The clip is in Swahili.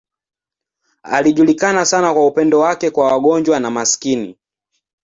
Alijulikana sana kwa upendo wake kwa wagonjwa na maskini.